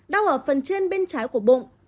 đau ở phần trên bên trái của bụng